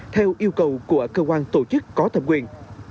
theo yêu cầu của cơ quan tổ chức có thẩm quyền